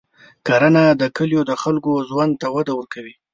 کرنه د کلیو د خلکو ژوند ته وده ورکوي.